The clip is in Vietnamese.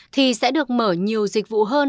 thì sẽ được mở nhiều dịch vụ hơn